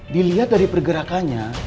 dilihat dari pergerakannya